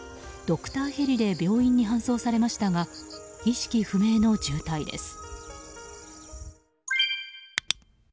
ドクターヘリで病院に搬送されましたが意識不明の重体です。